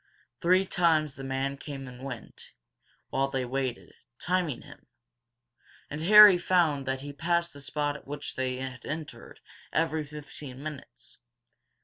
Three times the man came and went, while they waited, timing him. And Harry found that he passed the spot at which they had entered every fifteen minutes.